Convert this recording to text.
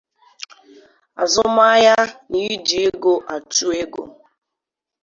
azụmahịa na iji ego achụ ego